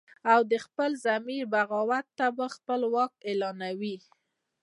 او د خپل ضمیر د بغاوته به خپل واک اعلانوي